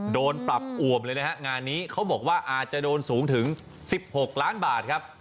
โดนปรับอวมเลยนะฮะงานนี้เขาบอกว่าอาจจะโดนสูงถึง๑๖ล้านบาทครับ